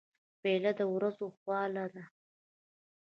پیاله د ورځو خواله ده.